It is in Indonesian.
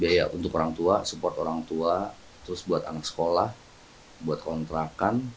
iya untuk orang tua support orang tua terus buat anak sekolah buat kontrakan